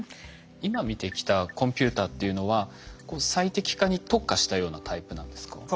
今見てきたコンピューターっていうのは最適化に特化したようなタイプなんですか？